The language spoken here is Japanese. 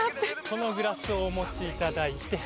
このグラスをお持ちいただいて。